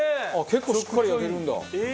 結構しっかり焼けるんだ。